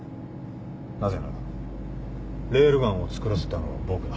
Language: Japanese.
なぜならレールガンを作らせたのは僕だ。